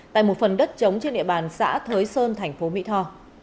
tại một phần đất chống trên địa bàn xã thới sơn tp mỹ tho